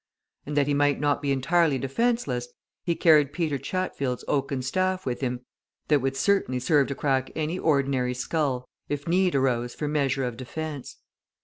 And that he might not be entirely defenceless he carried Peter Chatfield's oaken staff with him that would certainly serve to crack any ordinary skull, if need arose for measure of defence.